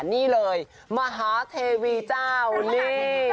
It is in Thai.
นี่เลยมหาเทวีเจ้านี่